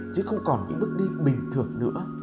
chứ không còn những bước đi bình thường nữa